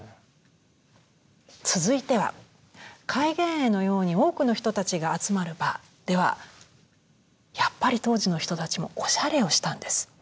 続いては開眼会のように多くの人たちが集まる場ではやっぱり当時の人たちもおしゃれをしたんです。